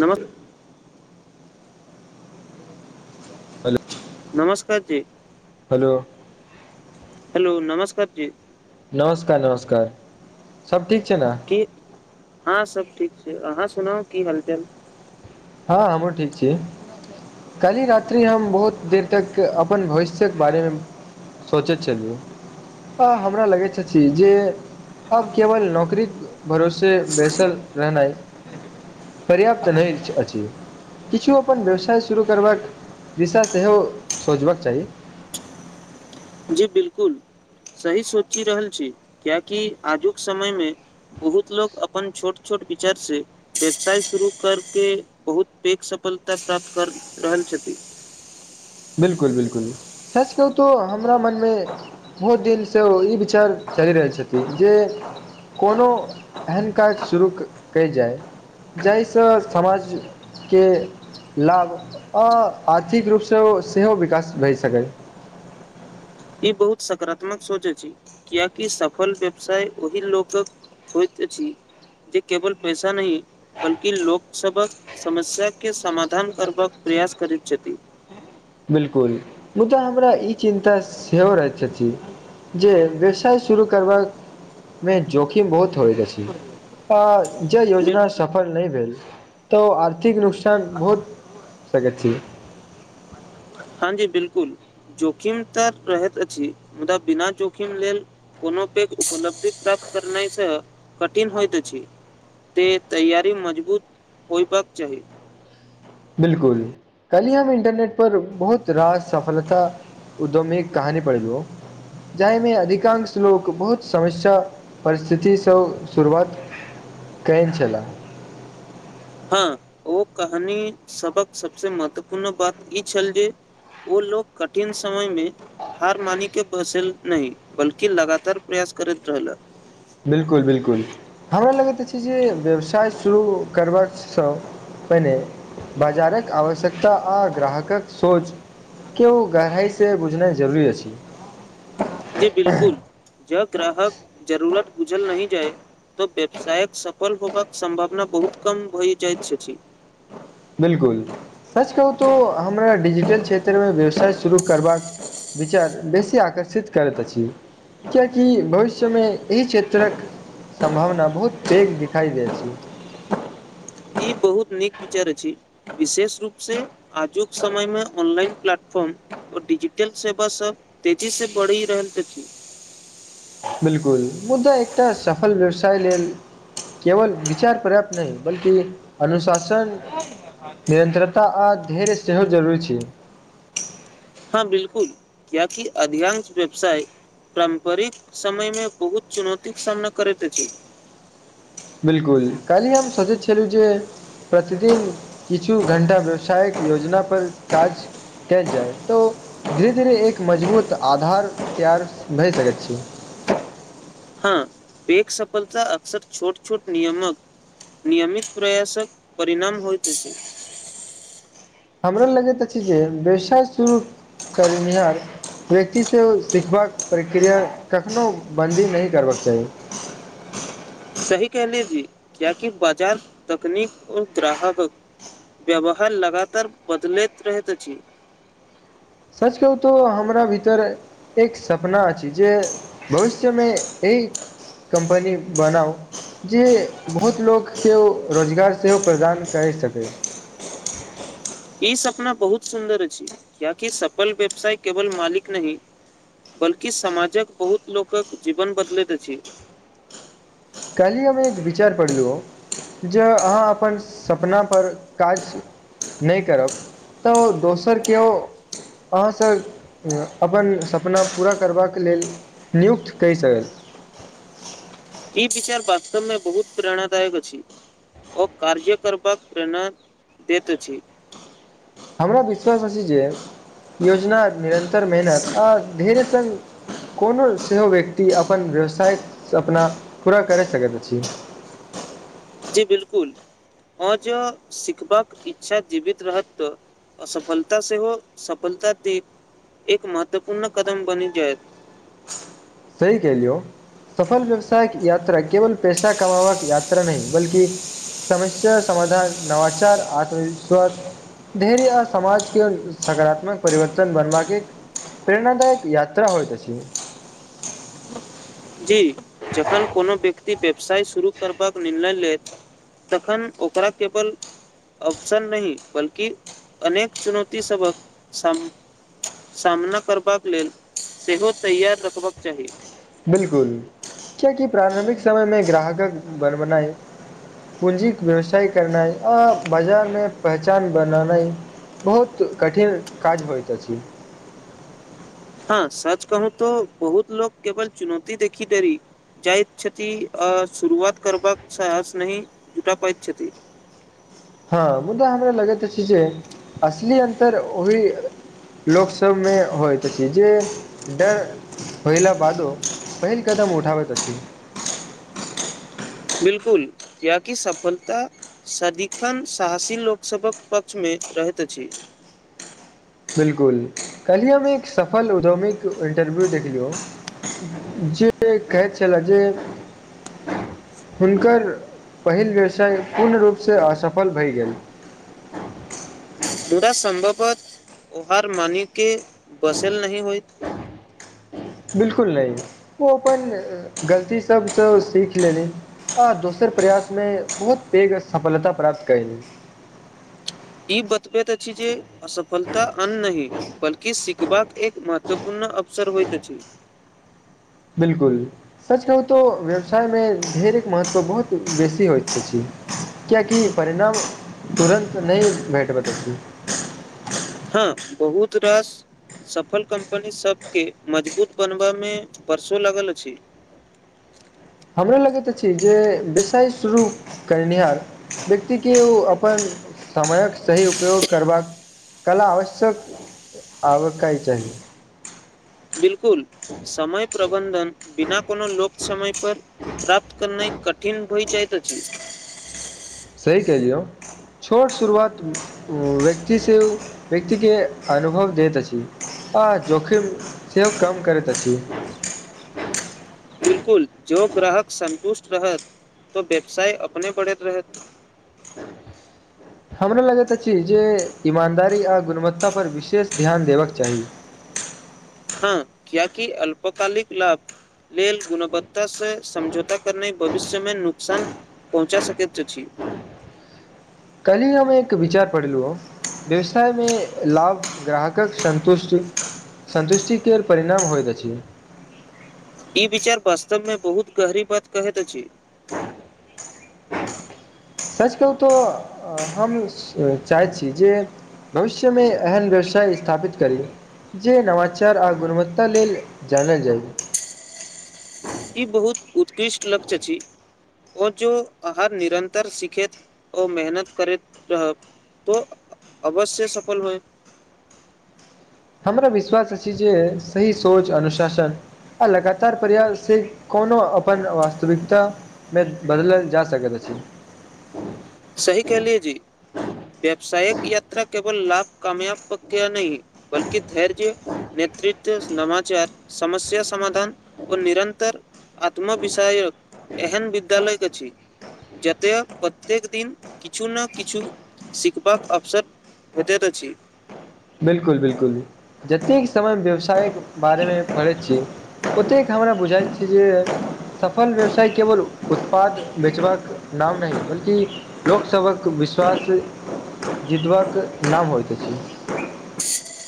नमस् हेलो नमस्कार जी हेलो हेलो नमस्कार जी नमस्कार-नमस्कार सब ठीक छै ने की हँ सब ठीक छै, अहाँ सुनाउ की हालचाल हँ हमरो ठीक छी। काल्हि रात्रि हम बहुत देर तक अपन भविष्यक बारेम सोचैत छलियै तऽ हमरा लगैत छछि जे अब केवल नौकरीक भरोसे बेसल रहनाय पर्याप्त नहि च अछि। जी किछु अपन व्यवसाय शुरू करबाक, दिशा सेहो सोचबाक चाही। जी बिल्कुल सही सोचि रहल छी, कियाकि आजुक समय मे बहुत लोक अपन छोट-छोट विचार से व्यवसाय शुरू कर के, बहुत पैघ सफलता प्राप्त कर रहल छथि। बिल्कुल-बिल्कुल सच कहू तो हमरा मन मे बहुत दिन सेहो ई विचार चलि रहल छथि जे कोनो एहन काज शुरू कय जाय जाइ स समाज के लाभ आ आर्थिक रूप स ओ सेहो विकास भय सकै। ई बहुत सकारात्मक सोच अछि, कियाकि सफल व्यवसाय ओही लोकक होइत अछि, जे केवल पैसा नहि बल्कि लोक सबहक समस्या के, समाधान करबाक प्रयास करैत छथि। बिल्कुल मुदा हमरा ई चिंता सेहो रहैत छछि। जे व्यवसाय शुरू करबाक, मे जोखिम बहुत होइत अछि। तऽ जे बिल- योजना सफल नहि भेल, त ओ आर्थिक नुकसान बहुत सकैत छि। हं जी बिलकुल जोखिम तऽ रहैत अछि, मुदा बिना जोखिम लेल कोनो पेघ उपलब्धि प्राप्त करनाय स कठिन होइत अछि। तैं तैयारी मजबूत होइबाक चाही। बिल्कुल कलिए हम इंटरनेट पर बहुत रास सफलता उद्यमीक कहानी पढ़ेलुओ जाहि मे अधिकांश लोक, बहुत समस्या परिस्थिति सँ शुरुआत कैन छलाह। हँ ओ कहानी सबक सबसँ महत्वपूर्ण बात ई छल जे ओ लोक कठिन समय में हार मानि क बैसल नहि, बल्कि लगातार प्रयास करैत रहलऽ। बिल्कूल-बिल्कूल, हमरा लगैत अछि जे व्यवसाय शुरू करबाक सँ पहिने बाजारक आवश्यकता आ ग्राहकक सोच केओ गहराई स बुझनाय जरुरी अछि। जी बिल्कुल ज ग्राहक जरूरत बुझल नहि जाय त व्यवसायक सफल होबाक सम्भावना बहुत कम भय जाएत छछी। बिल्कुल सच कहु तो हमरा डिजिटल क्षेत्र मे व्यवसाय शुरू करबाक विचार बेसी आकर्षित करैत अछि। कियाएकि भविष्य मे एहि क्षेत्रक सम्भावना बहुत पैघ दिखाई दै अछि। ई बहुत नीक विचार अछि विशेष रुप से आजुक समय मे ऑनलाइन प्लेटफार्म और डिजिटल सेवा सब तेजी से बढ़ि रहत अछि। बिल्कुल मुदा एकटा सफल व्यवसाय लेल केवल विचार पर्याप्त नहि, बल्कि अनुशासन निरंतरता आ धैर्य सेहो जरुरी छै। हाँ बिल्कुल कियाकि अधियांश व्यवसाय प्रारम्परिक समय मे बहुत चुनौतिक सामना करैत अछि। बिल्कुल कल्हि हम सोचै छलि जे प्रतिदिन किछु घंटा व्यवसायक योजना पर काज काएल जाय तो धीरे-धीरे एक मजबूत आधार तैयार भय सकैत छी। हाँ पैघ सफलता अक्सर छोट-छोट नियमक नियमित प्रयासक परिणाम होएत अछि। हमरा लगैत अछि जे व्यवसाय शुरू करनिहार व्यक्ति सेहो सिखबाक प्रक्रिया कखनो बंदी नहि करबाक चाही। सही केहलै जी कियाकि बजार, तकनीक और ग्राहक व्यवहार लगातार बदलैत रहैत अछि। सच कहु तो हमरा भीतर एक सपना अछि जे भविष्य मे एहि कम्पनी बनाउ। जे बहुत लोक के ओ रोजगार सेहो प्रदान कैर सकै। ई सपना बहुत सुन्दर अछि कियाकि सफल व्यवसाय केवल मालिक नहि बल्कि समाजक बहुत लोकक जीवन बदलैत अछि। कल्हि हम एक विचार पढ़लु। ज अहाँ अपन सपना पर काज नै करब तऽ ओ दोसर के ओ अहाँ से ए अपन सपना पूरा करबाक लेल नियुक्त कए से ई विचार वास्तव मे बहुत प्रेरणादायक अछि। ओ कार्य करबाक प्रेरणा दैत अछि। हमरा विश्वास अछि जे योजना निरन तर मेहनत आ ढेरे सन कोनो सेहो व्यक्ति अपन व्यवसाय से अपना पूरा करै सकैत अछि। जी बिलकुल औ जो सिखबाक इच्छा जीवित रहत त असफलता सेहो सफलता दे एक महत्वपूर्ण कदम बनि जाय। सही कैहलियौ। सफल व्यवसाय क यात्रा केवल पैसा कमाबा के यात्रा नहि बल्कि समस्या, समाधान, नवाचार, आत्मविश्वास धैर्य आ समाजके सकारात्मक परिवर्तन बनबाक लेल। प्रेरणादायक यात्रा होइ तऽ। जी जखन कोनो व्यक्ति व्यवसाय शुरू करबाक निर्णय लेैत तखन ओकरा केवल ऑप्शन नहि, बल्कि अनेक चुनौतीसभक साम्हा सामना करबाक लेल सेहो तैयार रखबाक चाही बिल्कुल, किएकी प्रारम्भिक समयमे ग्राहक क बनाये पूँजीके व्यवसाय करनाइ आ बाजारमे पहचान बननाइ। बहुत कठिन काज होइत अछि हँ सच कहू तऽ बहुत लोक केवल चुनौती देखि डरी जाइत छथि अ शुरुआत करबाक साहस नहि जुटा पाय छथि हँ, मुदा हमरा लगैत अछि जे असली अन्तर ओही। लोक सबमे होइतइत छै जे डर होइला भादो पहिल कदम उठाबैत अछि बिलकुल य कि सफलता सदिखन साहसी लोकसभक पक्षमे रहैत अछि बिल्कुल, काल्हि हम एक सफल उद्यमीक इंटरव्यू देखलियौ। जे कहै छलए जे हुनकर पहिल व्यवसाय पूर्ण रूपसँ असफल भऽ गेल। मुदा सम्भवतः ओ हारि मानिके बैसल नहि होइत। बिल्कुल नहि, ओ अपन गलतीसभसँ सीख लेली। आ दोसर प्रयासमें बहुत बेेघ सफलता प्राप्त करैल ई बतबैत अछि जे असफलता अन्त नहि। बल्कि सीखबाक एक महत्वपूर्ण अवसर होइत छै। बिल्कुल। सच कहू तऽ व्यवसायमे धैर्यक महत्व बहुत बेसी होइत छै। किएकि परिणाम तुरन्त नहि भेटैत अछि। हँ बहुत रास सफल कम्पनीसभके मजबूत बनबामे बरसो लागल अछि। हमरो लगैत अछि जे व्यवसाय शुरू करनिहार व्यक्तिके ओ अपन समयक सही उपयोग करबाक कला आवश्यक आबकै चाही बिल कुल समय प्रबन्धन बिना कोनो लोप्त समय पर प्राप्त करनाय कठिन होइत अछि सही कहियौ छोट शुरुआत व्यक्ति से व्यक्तिके अनुभव दैत अछि आ जोखिम सेहो कम करैत अछि बिल्कुल, जे ग्राहक सन्तुष्ट रहत तऽ व्यवसाय अपने बढ़ैत रहत। हमरा लगैत अछि जे ईमानदारी आ गुणवत्ता पर विशेष ध्यान देबाक चाही। हँ, किएकी अल्पकालिक लाभ। लेल गुणवत्ता सँ समझौता करनाइ भविष्यमे नुकसान। पहुँचा सकैत अछी कल ही हम एक विचार पढ़लू हाँ व्यवसायमे लाभ ग्राहकक सन्तुष्टि। सन्तुष्टि केल परिणाम होइत अछि। ई विचार वास्तव में बहुत गहरी बात कहैत अछि। सच कहू तऽ हम चाहैत छी जे- भविष्यमे एहन व्यवसाय स्थापित करी, जे नमाचार आ गुणवत्ता लेल जानल जाइ। ई बहुत उत्कृष्ट लक्ष्य छी। ओ जो अहाँ निरन्तर सिखैत ओ मेहनत करैत रहब, तो अ- अवश्य सफल होयब्। हमरो विश्वास अछि जे, सही सोच अनुशासन, आ लगातार प्रयास से कोउनो अपन वास्तविकता- मे बदलल जा सकैत अछि। सही कहलिऐ जी। व्यावसायक यात्रा केवल लाभ कामयाब पक- नै बल्कि धैर्य, नेतृत्व, नमाचार, समस्या, समाधान ओ निरन्तर- आत्माविषायक एहन विद्यालय अछी जतैय प्रत्येक दिन किछु न किछु सिखबाक अवसर भेटैत अछि। बिलकुल बिलकुल‌। जतेक समय व्यवसायक बारेमे- पढ़ै छी ओतेक हमरा बुझाइत छै जे, सफल व्यवसाय केवल उत्पाद बेचबाक नाम नय बल्कि- लोकसभक विश्वास जितबाक नाम होइत अछि‌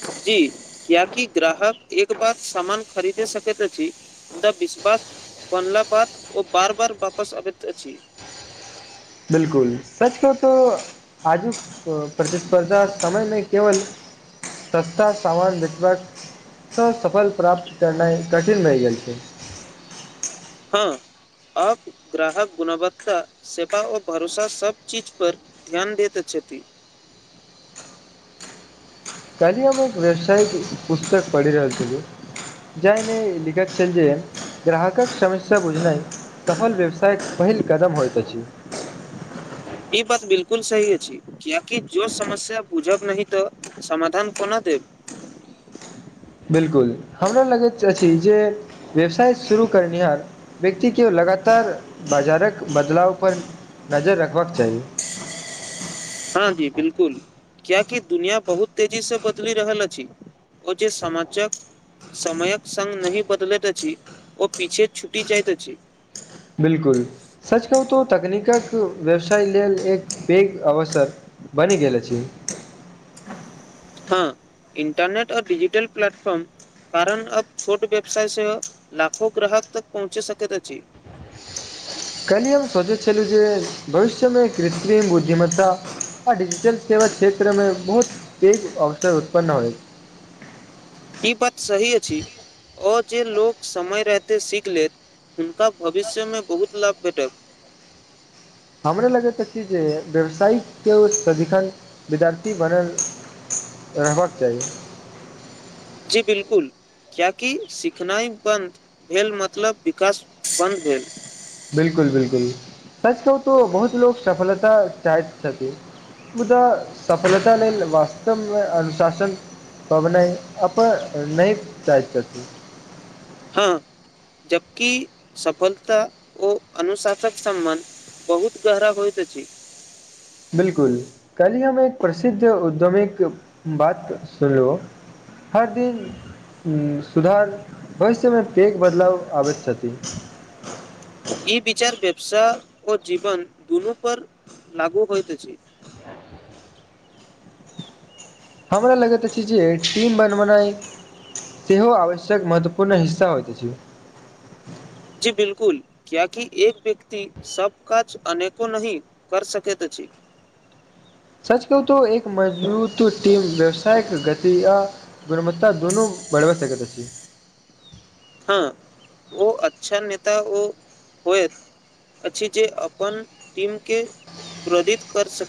जी, कियाकी ग्राहक एक बार समान खरीदे सकैत अछि, मुदा विश्वास बनला बाद ओ बार-बार बापस अबैत अछि। बिलकुल। सच कहु तो- आजुक प्रतिस्पर्धा समय नै केवल- सस्ता सामान बेचबाक, ससफल प्राप्त करनाइ कठिन रहि गेल छै। हँ आब ग्राहक गुणवत्ता सेपा आ भरोसा सब चीज पर, ध्यान देत अछि। काल्हि हम एक व्यवसायिक पुस्तक पढ़ि रहल छलु, जाहि मे लिखल छल जे ग्राहकक समस्या बुझनाइ, सफल व्यवसायक पहिल कदम होइत अछि। ई बात बिल्कुल सही अछि, कियकि जो समस्या बुझब नहि तऽ- समाधान कोना देब? बिल्कुल हमरा लगैत अछि, जे व्यवसाय शुरू करनिहार व्यक्ति के लगातार बाजारक बदलाव पर नजर रखबाक चाहि। हाॅं जी बिल्कुल। कियाकि दुनिया बहुत तेजी से बदलि रहल अछि। उचित समाचक, समयक सङ्ग नहि बदलैत अछि, ओ पीछे छुटि जाइत अछि। बिल्कुल। सच कहू तो तकनीकक व्यवसाय लेल एक पेघ अवसर बनि गेल अछि। हाॅं, इंटरनेट आ डिजिटल प्लेटफॉर्म कारण अब छोट व्यवसाय स लाखो ग्राहक तक पहुँचि सकैत अछि। काल्हिये हम सोचै छलु जे भविष्यमे कृत्रिम उद्यमिता आ डिजिटल सेवा क्षेत्र मे बहुत पेघ अवसर उत्पन्न होइ। ई बात सही अछि। ओ चीज लोक समय रहिते सीख लेत, हुनका भविष्य मे बहुत लाभ भेटत। हमर लगैत अछि, जे व्यवसायके सदिखन विद्यार्थी बनल रहबाक चाहि। जी बिल्कुल। किएकि सिखनाइ बन्द भेल, मतलब विकास बन्द भेल। बिल्कुल-बिल्कुल, सच कहू तो बहुत लोक सफलता चाहैत छथिन। मुदा सफलता लेल वास्तवमे अनुशासन पबनै अपन नहि चाहैत छथिन। हाॅं जबकि सफलता, ओ अनुशासक सम्बन्ध बहुत गहरा होइत अछि। बिल्कुल, काल्हि हम एक प्रसिद्ध उद्यमिक बात सुनलहुॅं। हर दिन हुं सुधार भविष्यमे पेघ बदलाव आबैत छथि। ई विचार व्यवसाय आ जीवन दुनू पर लागू होइत अछि। [inaudible] हमरा लगैत अछि, जे टीम बनवनाइ। सेहो आवश्यक महत्वपूर्ण हिस्सा होइत अछि। जी बिल्कुल। किया की, एक व्यक्ति सब काज अनेको नहि कर सकैत अछि। सच कहूं तो एक मजबूतो टीम, व्यवसायक गति आ गुणवत्ता दुनू बढ़बा सकैत अछि। हाॅं, ओ अच्छा नेता ओ होयत। अछि जे, अपन टीम के प्रोदित कर सक